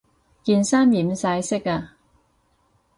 件衫染晒色呀